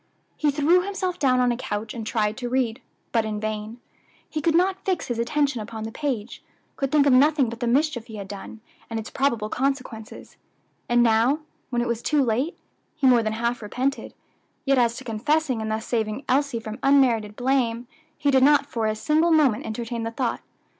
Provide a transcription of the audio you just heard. He threw himself down on a couch and tried to read, but in vain; he could not fix his attention upon the page could think of nothing but the mischief he had done, and its probable consequences; and now, when it was too late, he more than half repented; yet as to confessing and thus saving Elsie from unmerited blame, he did not for a single moment entertain the thought.